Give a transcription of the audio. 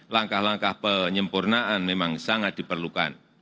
langkah langkah penyempurnaan memang sangat diperlukan